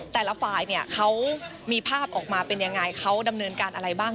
แต่ละฝ่ายเนี่ยเขามีภาพออกมาเป็นยังไงเขาดำเนินการอะไรบ้าง